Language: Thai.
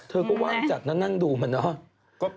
เธอก็ว่างจัดนั่นดูเหมือนเนอะ